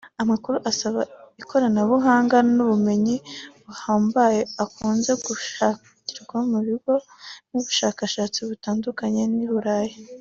Amakuru asaba ikoranabuhanga n’ubumenyi buhambaye akunze gushakirwa ku bigo n’abashakashatsi batandukanye b’i Burayi